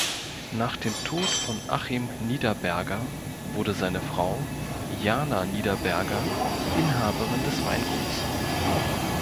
Nach dem Tod von Achim Niederberger wurde seine Frau Jana Niederberger Inhaberin des Weinguts.